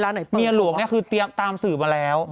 แล้วก็เมียหลวงนี้คือเตี๊ยงตามสื่อมาแล้ว